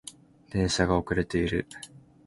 電車が遅れている